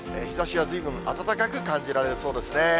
日ざしがずいぶん暖かく感じられそうですね。